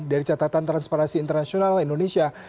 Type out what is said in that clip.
dari catatan transparansi internasional indonesia